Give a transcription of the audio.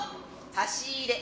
差し入れ。